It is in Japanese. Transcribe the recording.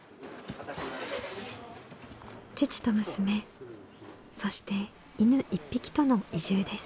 父と娘そして犬１匹との移住です。